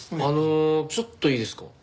あのちょっといいですか？